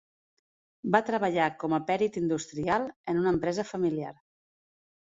Va treballar com a pèrit industrial en una empresa familiar.